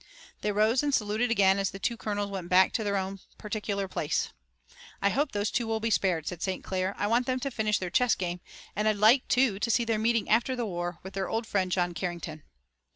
They rose and saluted again as the two colonels went back to their own particular place. "I hope those two will be spared," said St. Clair. "I want them to finish their chess game, and I'd like, too, to see their meeting after the war with their old friend, John Carrington."